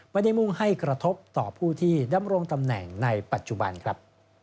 ไม่ได้มุ่งให้กระทบต่อผู้ที่ดำรงตำแหน่งในปัจจุบันครับ